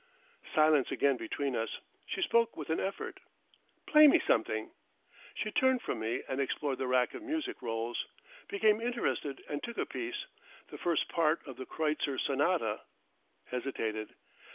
Silence again between us. She spoke with an effort. "Play me something." She turned from me and explored the rack of music rolls, became interested and took a piece, the first part of the Kreutzer Sonata, hesitated.